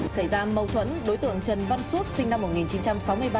xảy ra mâu thuẫn đối tượng trần văn suốt sinh năm một nghìn chín trăm sáu mươi ba